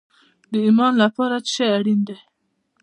د ایمان لپاره څه شی اړین دی؟